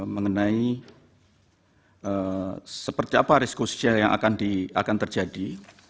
mengenai seperti apa riskhusus yang akan terjadi